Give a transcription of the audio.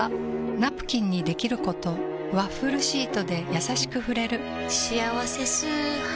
ナプキンにできることワッフルシートでやさしく触れる「しあわせ素肌」